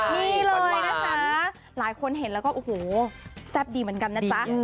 นี่เลยนะคะหลายคนเห็นแล้วก็โอ้โหแซ่บดีเหมือนกันนะจ๊ะ